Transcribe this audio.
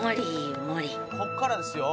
「ここからですよ」